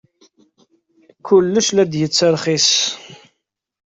Kullec la d-yettirxis.